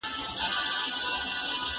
اوس ډېری نړيوالې ژبې پکې پوښل شوې دي.